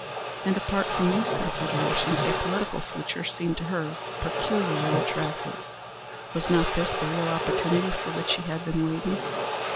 And apart from these considerations, a political future seemed to her peculiarly attractive. Was not this the real opportunity for which she had been waiting?